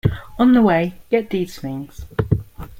On the way get these things.